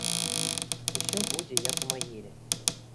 Усё будзе як у магіле.